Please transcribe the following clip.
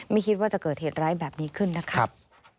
ไม่คิดว่าจะเกิดเหตุร้ายแบบนี้ขึ้นนะครับ